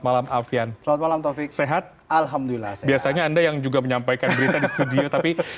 malam alfian sehat alhamdulillah biasanya anda yang juga menyampaikan berita di studio tapi